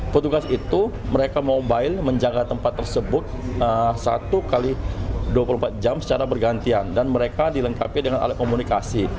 petugas itu mereka mobile menjaga tempat tersebut satu x dua puluh empat jam secara bergantian dan mereka dilengkapi dengan alat komunikasi